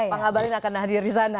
pak ngabalin akan hadir di sana